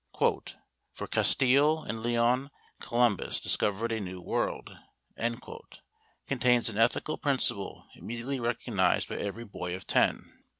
"For Castile and Leon Columbus discovered a New World" contains an ethical principle immediately recognized by every boy of ten.